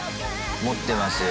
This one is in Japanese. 持ってますよ